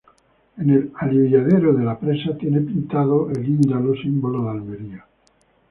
En el aliviadero de la presa tiene pintado el indalo, símbolo de Almería.